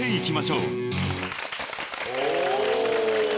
お。